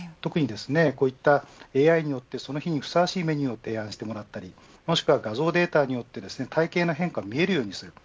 こういったＡＩによってその日にふさわしいメニューを提案してもらったりもしくは画像データによって体型の変化を見えるようにする。